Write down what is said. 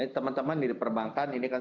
teman teman di perbankan ini kan